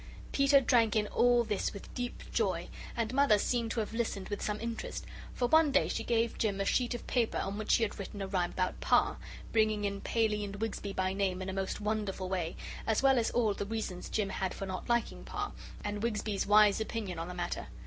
Peter drank in all this with deep joy, and Mother seemed to have listened with some interest, for one day she gave Jim a sheet of paper on which she had written a rhyme about Parr, bringing in Paley and Wigsby by name in a most wonderful way, as well as all the reasons Jim had for not liking Parr, and Wigsby's wise opinion on the matter.